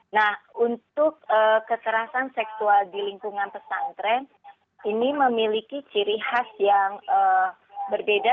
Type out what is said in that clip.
nah untuk kekerasan seksual di lingkungan pesantren ini memiliki ciri khas yang berbeda